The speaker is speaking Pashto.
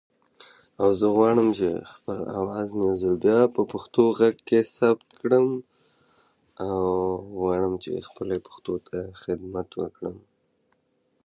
کلتور د افغان نجونو د پرمختګ لپاره ډېر ښه فرصتونه په نښه کوي.